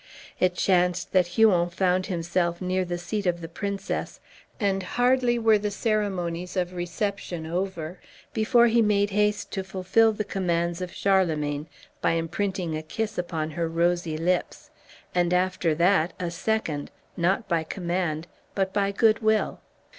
It chanced that Huon found himself near the seat of the princess, and hardly were the ceremonies of reception over before he made haste to fulfill the commands of Charlemagne by imprinting a kiss upon her rosy lips, and after that a second, not by command, but by good will.